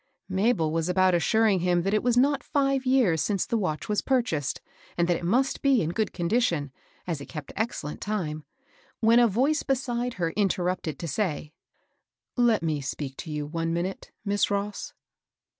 Mabel was about assuring him that it was not five years since the watch was purchased, and that it must be in good condition, as it kept excellent time, when a voice beside het m\feTtvv!^\«^L^ft^a:5^ —^ 2S0 MABEL ROSS. " Let me speak to you one minute, Miss Ross."